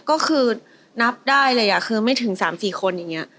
ก็คือนับได้เลยคือไม่ถึง๓๔คนอย่างนี้